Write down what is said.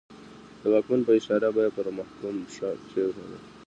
د واکمن په اشاره به یې پر محکوم پښه کېښوده.